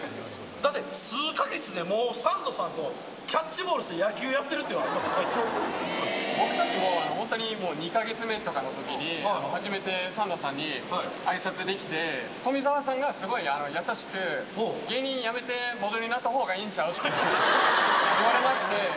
だって数か月でもうサンドさんとキャッチボールして野球やってる僕たちも、本当に、２か月目とかのときに、初めてサンドさんにあいさつできて、富澤さんがすごく優しく、芸人辞めてモデルになったほうがいいんちゃうって言われまして。